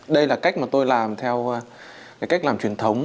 đây là cách mà tôi làm theo cái cách làm truyền thống